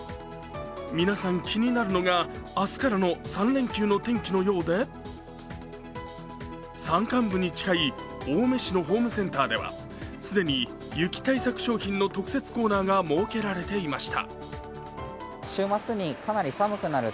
皆さん、気になるのが明日からの３連休の天気のようで山間部に近い青梅市のホームセンターでは、既に雪対策商品の特設コーナーが設けられていました。